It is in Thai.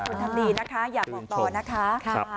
คุณทำดีนะคะอยากบอกต่อนะคะ